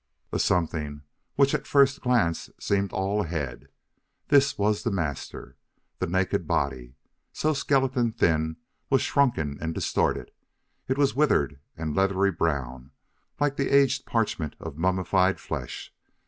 A something which, at first glance, seemed all head this was the "Master." The naked body, so skeleton thin, was shrunken and distorted; it was withered and leathery brown, like the aged parchment of mummified flesh.